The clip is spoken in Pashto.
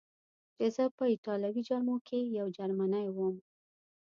چې زه په ایټالوي جامو کې یو جرمنی ووم.